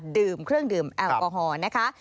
ดื่มเครื่องดื่มแอลกอฮอล์นะคะ